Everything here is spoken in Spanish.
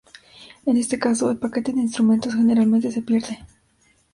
En este caso, el paquete de instrumentos, generalmente se pierde.